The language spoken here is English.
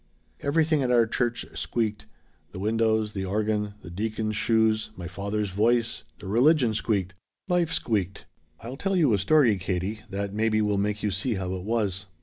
"Everything at our church squeaked. The windows. The organ. The deacon's shoes. My father's voice. The religion squeaked. Life squeaked. "I'll tell you a story, Katie, that maybe will make you see how it was.